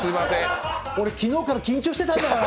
俺、昨日から緊張してたんだから。